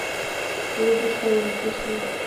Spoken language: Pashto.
د ریګ دښتې د افغانستان د شنو سیمو ښکلا ده.